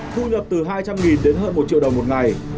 thu nhập từ hai trăm linh đến hơn một triệu đồng một ngày